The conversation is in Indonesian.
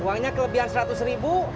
uangnya kelebihan seratus ribu